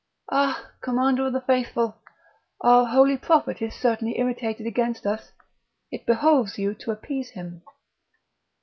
"Ah, Commander of the Faithful, our holy Prophet is certainly irritated against us! it behoves you to appease him."